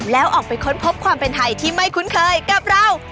แล้วออกไปค้นพบความเป็นไทยที่ไม่คุ้นเคยกับเรา